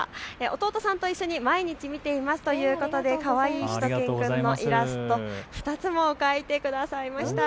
弟さんと一緒に毎日見ていますということでかわいいしゅと犬くんのイラスト２つも描いてくださいました。